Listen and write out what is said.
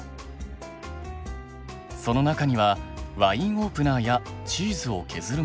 その中にはワインオープナーやチーズを削るもの